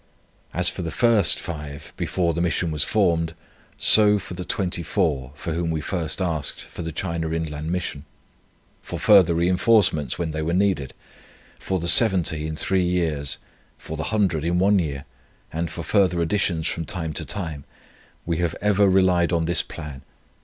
As for the first five before the Mission was formed, so for the twenty four for whom we first asked for the C.I.M.; for further reinforcements when they were needed; for the seventy in three years, for the hundred in one year, and for further additions from time to time, we have ever relied on this plan.